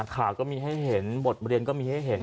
ข่าวก็มีให้เห็นบทเรียนก็มีให้เห็น